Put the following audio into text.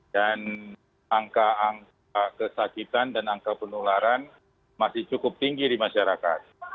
dan angka angka kesakitan dan angka penularan masih cukup tinggi di masyarakat